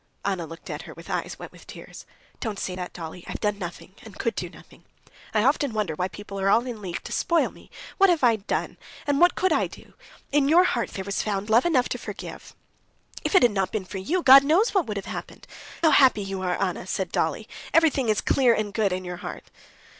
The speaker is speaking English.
Anna looked at her with eyes wet with tears. "Don't say that, Dolly. I've done nothing, and could do nothing. I often wonder why people are all in league to spoil me. What have I done, and what could I do? In your heart there was found love enough to forgive...." "If it had not been for you, God knows what would have happened! How happy you are, Anna!" said Dolly. "Everything is clear and good in your heart."